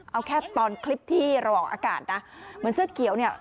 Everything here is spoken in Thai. เอาแค่ตอนคลิปที่ระหว่างอากาศนะเหมือนเสื้อเขียวเนี่ย